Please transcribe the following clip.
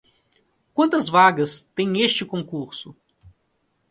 Quantas vagas tem este concurso?